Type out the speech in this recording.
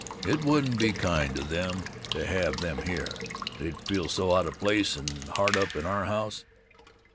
It wouldn't be kind to them to have them here. They'd feel so out of place and hard up in our home."